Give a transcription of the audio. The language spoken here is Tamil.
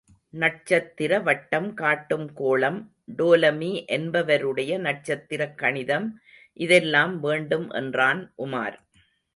நட்சத்திர வட்டம் காட்டும்கோளம், டோலமி என்பவருடைய நட்சத்திரக் கணிதம் இதெல்லாம் வேண்டும் என்றான் உமார்.